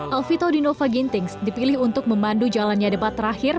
alvito dinova gintings dipilih untuk memandu jalannya debat terakhir